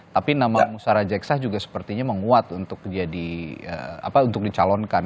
tapi nama musara jaksa juga sepertinya menguat untuk dicalonkan